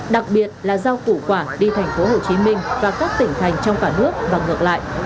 đặc biệt là rau củ quả đi thành phố hồ chí minh và các tỉnh thành trong cả nước và ngược lại